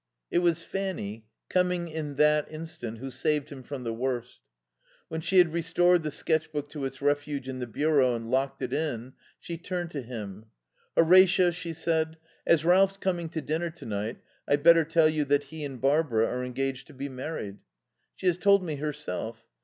It was Fanny, coming in that instant, who saved him from the worst. When she had restored the sketch book to its refuge in the bureau and locked it in, she turned to him. "Horatio," she said, "as Ralph's coming to dinner to night I'd better tell you that he and Barbara are engaged to be married." "She has told me herself....